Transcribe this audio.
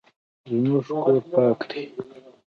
زموږ کور پاک دی